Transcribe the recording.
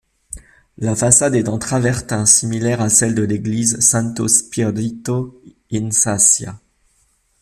La façade est en travertin similaire à celle de l'église Santo Spirito in Sassia.